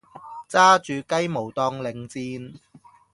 揸住雞毛當令箭